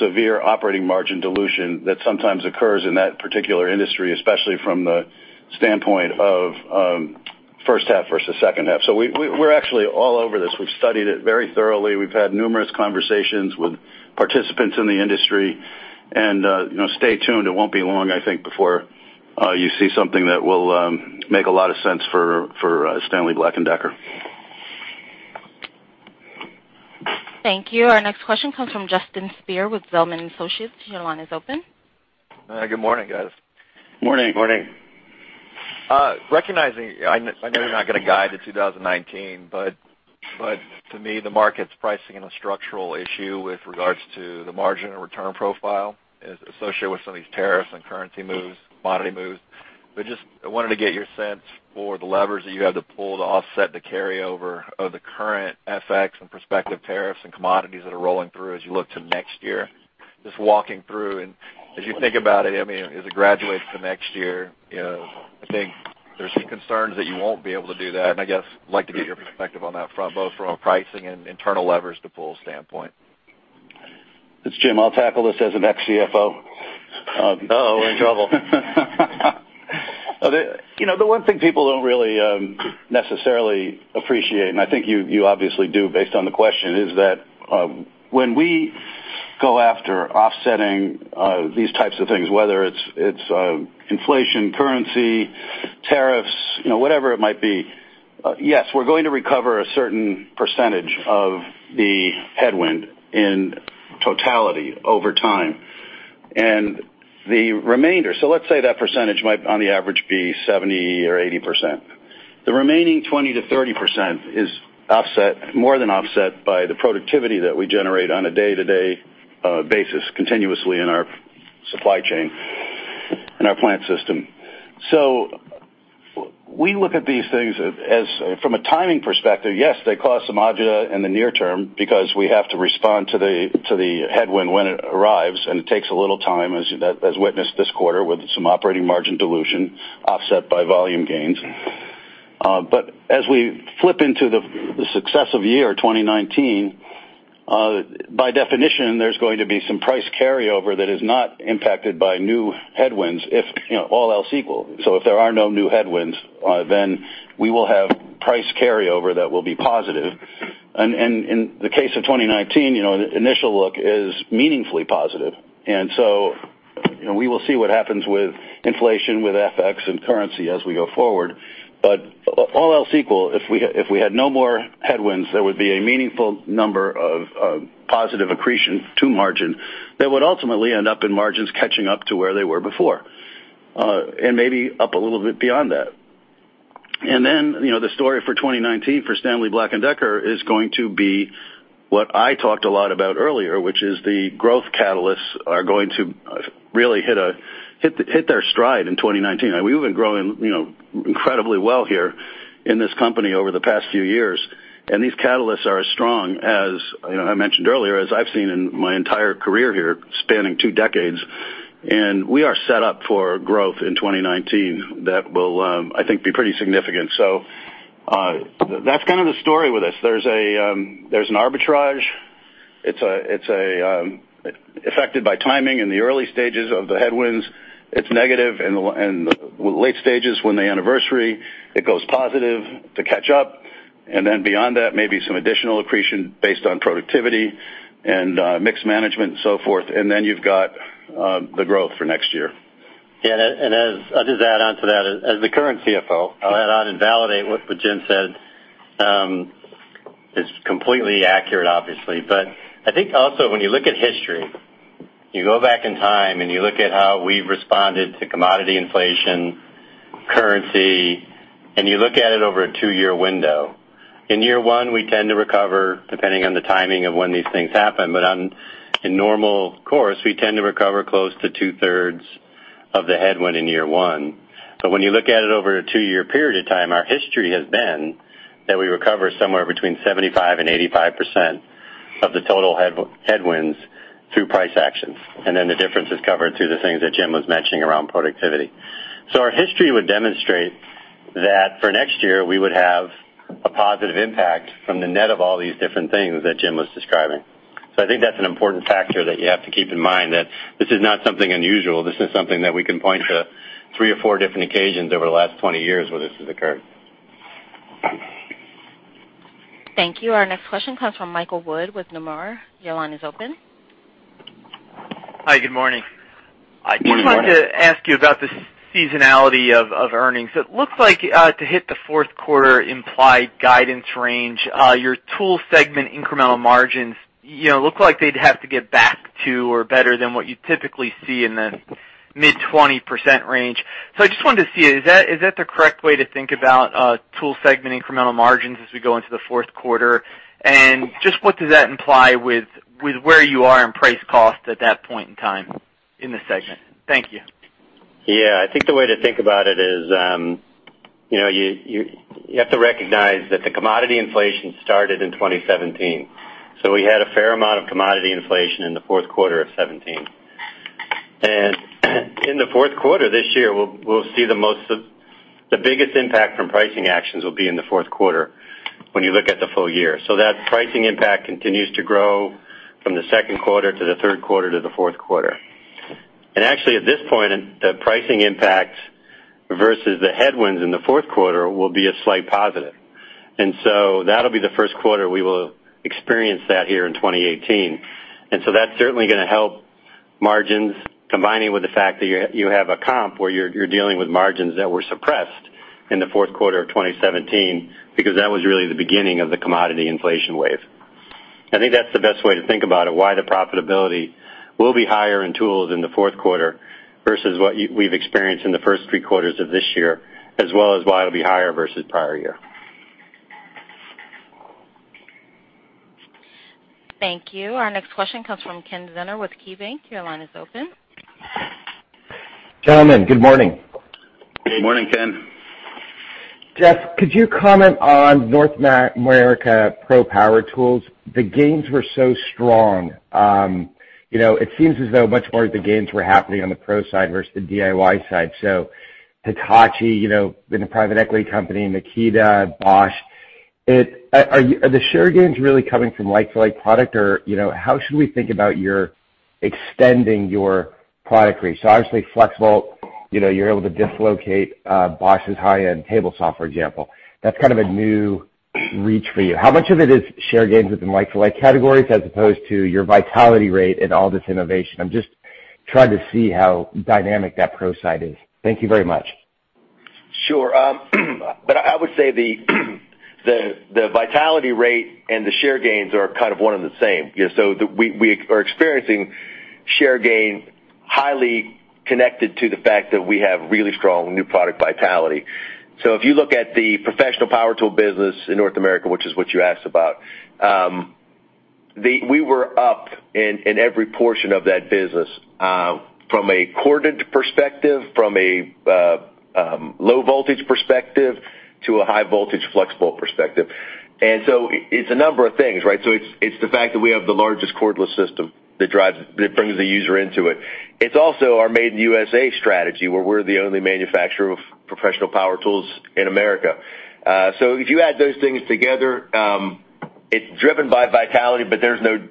severe operating margin dilution that sometimes occurs in that particular industry, especially from the standpoint of first half versus second half. We're actually all over this. We've studied it very thoroughly. We've had numerous conversations with participants in the industry, stay tuned. It won't be long, I think, before you see something that will make a lot of sense for Stanley Black & Decker. Thank you. Our next question comes from Justin Speer with Zelman & Associates. Your line is open. Good morning, guys. Morning. Morning. Recognizing I know you're not going to guide to 2019, to me, the market's pricing in a structural issue with regards to the margin and return profile associated with some of these tariffs and currency moves, commodity moves. Just wanted to get your sense for the levers that you have to pull to offset the carryover of the current FX and prospective tariffs and commodities that are rolling through as you look to next year. Just walking through and as you think about it, as it graduates to next year, I think there's some concerns that you won't be able to do that, I guess I'd like to get your perspective on that front, both from a pricing and internal levers to pull standpoint. It's Jim. I'll tackle this as an ex-CFO. Uh-oh, we're in trouble. The one thing people don't really necessarily appreciate, and I think you obviously do based on the question, is that when we go after offsetting these types of things, whether it's inflation, currency, tariffs, whatever it might be, yes, we're going to recover a certain percentage of the headwind in totality over time. The remainder, so let's say that percentage might, on the average, be 70% or 80%. The remaining 20%-30% is more than offset by the productivity that we generate on a day-to-day basis continuously in our supply chain and our plant system. We look at these things as from a timing perspective, yes, they cause some agita in the near term because we have to respond to the headwind when it arrives, and it takes a little time, as witnessed this quarter with some operating margin dilution offset by volume gains. As we flip into the success of year 2019, by definition, there's going to be some price carryover that is not impacted by new headwinds if all else equal. If there are no new headwinds, then we will have price carryover that will be positive. In the case of 2019, the initial look is meaningfully positive. We will see what happens with inflation, with FX, and currency as we go forward. All else equal, if we had no more headwinds, there would be a meaningful number of positive accretion to margin that would ultimately end up in margins catching up to where they were before, and maybe up a little bit beyond that. Then, the story for 2019 for Stanley Black & Decker is going to be what I talked a lot about earlier, which is the growth catalysts are going to really hit their stride in 2019. We've been growing incredibly well here in this company over the past few years, and these catalysts are as strong as, I mentioned earlier, as I've seen in my entire career here spanning two decades. We are set up for growth in 2019 that will, I think, be pretty significant. So That's kind of the story with us. There's an arbitrage. It's affected by timing in the early stages of the headwinds. It's negative in the late stages when they anniversary, it goes positive to catch up. Beyond that, maybe some additional accretion based on productivity and mix management and so forth. You've got the growth for next year. Yeah. I'll just add on to that, as the current CFO, I'll add on and validate what Jim said. It's completely accurate, obviously. I think also when you look at history, you go back in time and you look at how we've responded to commodity inflation, currency, and you look at it over a two-year window. In year one, we tend to recover depending on the timing of when these things happen. In normal course, we tend to recover close to two-thirds of the headwind in year one. When you look at it over a two-year period of time, our history has been that we recover somewhere between 75% and 85% of the total headwinds through price actions. The difference is covered through the things that Jim was mentioning around productivity. Our history would demonstrate that for next year, we would have a positive impact from the net of all these different things that Jim was describing. I think that's an important factor that you have to keep in mind that this is not something unusual. This is something that we can point to three or four different occasions over the last 20 years where this has occurred. Thank you. Our next question comes from Michael Wood with Nomura. Your line is open. Hi, good morning. Good morning. I just wanted to ask you about the seasonality of earnings. It looks like to hit the fourth quarter implied guidance range, your tool segment incremental margins look like they'd have to get back to or better than what you typically see in the mid-20% range. I just wanted to see, is that the correct way to think about tool segment incremental margins as we go into the fourth quarter? Just what does that imply with where you are in price cost at that point in time in the segment? Thank you. Yeah. I think the way to think about it is, you have to recognize that the commodity inflation started in 2017. We had a fair amount of commodity inflation in the fourth quarter of 2017. In the fourth quarter this year, we'll see the biggest impact from pricing actions will be in the fourth quarter when you look at the full year. That pricing impact continues to grow from the second quarter to the third quarter to the fourth quarter. Actually at this point, the pricing impact versus the headwinds in the fourth quarter will be a slight positive. That'll be the first quarter we will experience that here in 2018. That's certainly going to help margins combining with the fact that you have a comp where you're dealing with margins that were suppressed in the fourth quarter of 2017, because that was really the beginning of the commodity inflation wave. I think that's the best way to think about it, why the profitability will be higher in tools in the fourth quarter versus what we've experienced in the first three quarters of this year, as well as why it'll be higher versus prior year. Thank you. Our next question comes from Kenneth Zener with KeyBank. Your line is open. Gentlemen, good morning. Good morning, Ken. Jeff, could you comment on North America Pro Power Tools? The gains were so strong. It seems as though much more of the gains were happening on the pro side versus the DIY side. Hitachi, been a private equity company, Makita, Bosch. Are the share gains really coming from like-to-like product? Or how should we think about your extending your product range? Obviously FLEXVOLT, you're able to dislocate Bosch's high-end table saw, for example. That's kind of a new reach for you. How much of it is share gains within like-for-like categories as opposed to your vitality rate and all this innovation? I'm just trying to see how dynamic that pro side is. Thank you very much. Sure. I would say the vitality rate and the share gains are kind of one and the same. We are experiencing share gain highly connected to the fact that we have really strong new product vitality. If you look at the professional power tool business in North America, which is what you asked about, we were up in every portion of that business, from a corded perspective, from a low voltage perspective to a high voltage FLEXVOLT perspective. It's a number of things, right? It's the fact that we have the largest cordless system that brings the user into it. It's also our Made in U.S.A. strategy, where we're the only manufacturer of professional power tools in America. If you add those things together, it's driven by vitality,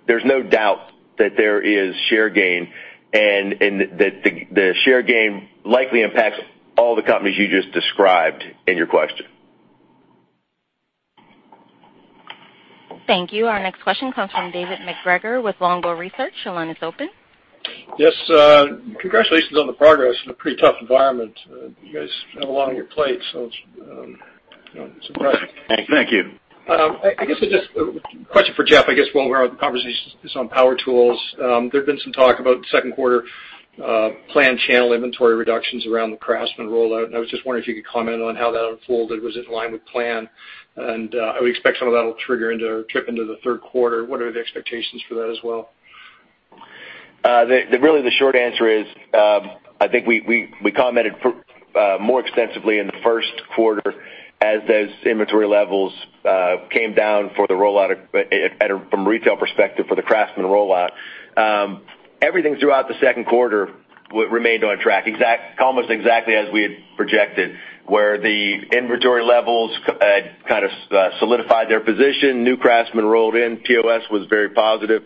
there's no doubt that there is share gain and that the share gain likely impacts all the companies you just described in your question. Thank you. Our next question comes from David MacGregor with Longbow Research. Your line is open. Yes. Congratulations on the progress in a pretty tough environment. You guys have a lot on your plate, so it's impressive. Thank you. I guess just a question for Jeff, I guess, while we're on the conversation is on power tools. There's been some talk about second quarter planned channel inventory reductions around the CRAFTSMAN rollout, and I was just wondering if you could comment on how that unfolded. Was it in line with plan? I would expect some of that'll trigger into or trip into the third quarter. What are the expectations for that as well? Really the short answer is, I think we commented more extensively in the first quarter as those inventory levels came down from retail perspective for the CRAFTSMAN rollout. Everything throughout the second quarter remained on track, almost exactly as we had projected, where the inventory levels kind of solidified their position. New CRAFTSMAN rolled in. POS was very positive.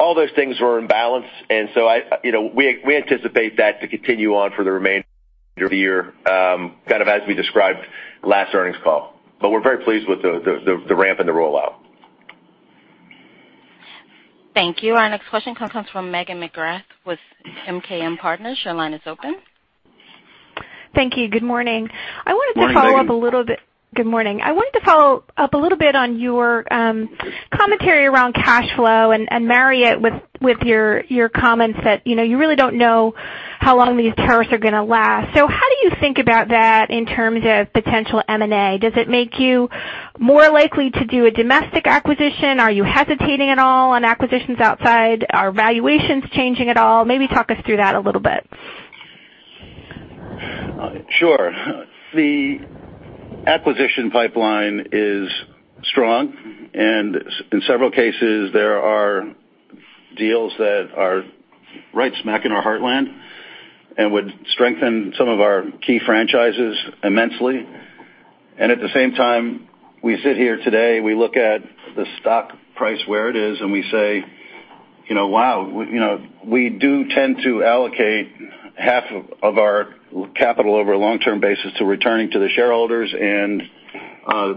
All those things were in balance. We anticipate that to continue on for the remainder of the year, kind of as we described last earnings call. We're very pleased with the ramp and the rollout. Thank you. Our next question comes from Megan McGrath with MKM Partners. Your line is open. Thank you. Good morning. Morning, Megan. Good morning. I wanted to follow up a little bit on your commentary around cash flow and marry it with your comments that you really don't know how long these tariffs are going to last. How do you think about that in terms of potential M&A? Does it make you more likely to do a domestic acquisition? Are you hesitating at all on acquisitions outside? Are valuations changing at all? Maybe talk us through that a little bit. Sure. The acquisition pipeline is strong, and in several cases there are deals that are right smack in our heartland and would strengthen some of our key franchises immensely. At the same time, we sit here today, we look at the stock price where it is, and we say, "Wow." We do tend to allocate half of our capital over a long-term basis to returning to the shareholders, and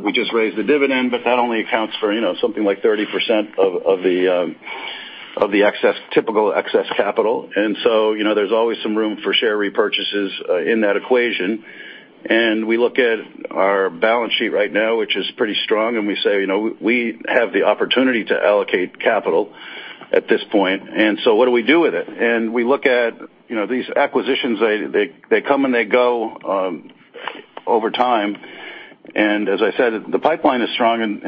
we just raised the dividend, but that only accounts for something like 30% of the typical excess capital. There's always some room for share repurchases in that equation. We look at our balance sheet right now, which is pretty strong, and we say, "We have the opportunity to allocate capital at this point, and so what do we do with it?" We look at these acquisitions, they come and they go over time. As I said, the pipeline is strong,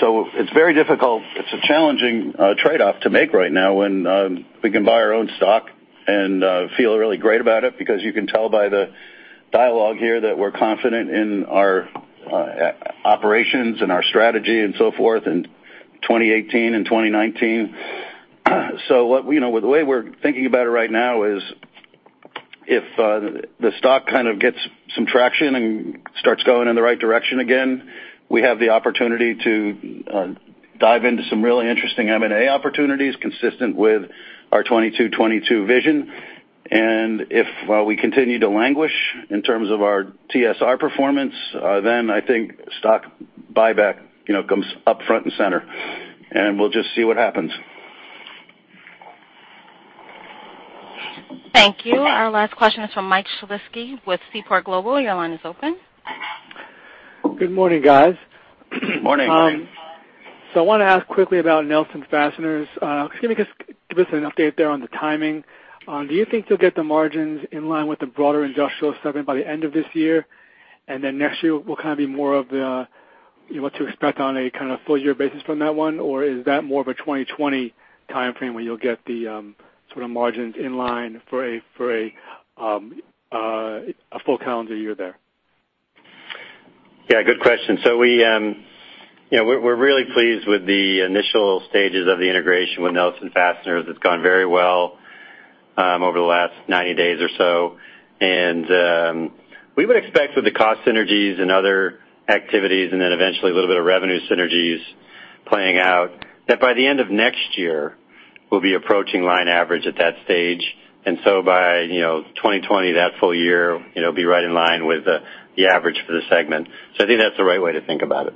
so it's very difficult. It's a challenging trade-off to make right now when we can buy our own stock and feel really great about it because you can tell by the dialogue here that we're confident in our operations and our strategy and so forth in 2018 and 2019. The way we're thinking about it right now is if the stock kind of gets some traction and starts going in the right direction again, we have the opportunity to dive into some really interesting M&A opportunities consistent with our 22/22 vision. If we continue to languish in terms of our TSR performance, then I think stock buyback comes up front and center, and we'll just see what happens. Thank you. Our last question is from Michael Shlisky with Seaport Global. Your line is open. Good morning, guys. Morning. I want to ask quickly about Nelson Fasteners. Can you just give us an update there on the timing? Do you think you'll get the margins in line with the broader industrial segment by the end of this year? Then next year will kind of be more of what to expect on a kind of full year basis from that one? Or is that more of a 2020 timeframe where you'll get the sort of margins in line for a full calendar year there? Yeah, good question. We're really pleased with the initial stages of the integration with Nelson Fastener Systems. It's gone very well over the last 90 days or so. We would expect with the cost synergies and other activities and then eventually a little bit of revenue synergies playing out, that by the end of next year, we'll be approaching line average at that stage. By 2020, that full year, it'll be right in line with the average for the segment. I think that's the right way to think about it.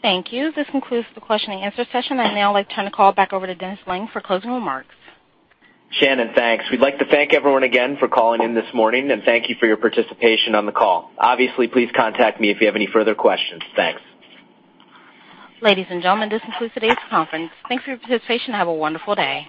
Thank you. This concludes the question and answer session. I'd now like to turn the call back over to Dennis Lange for closing remarks. Shannon, thanks. We'd like to thank everyone again for calling in this morning. Thank you for your participation on the call. Obviously, please contact me if you have any further questions. Thanks. Ladies and gentlemen, this concludes today's conference. Thanks for your participation and have a wonderful day.